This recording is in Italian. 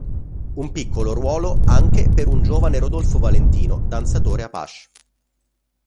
Un piccolo ruolo anche per un giovane Rodolfo Valentino, danzatore apache.